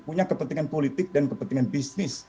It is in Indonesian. punya kepentingan politik dan kepentingan bisnis